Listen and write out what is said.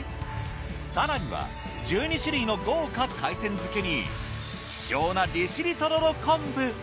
更には１２種類の豪華海鮮漬に希少な利尻とろろ昆布。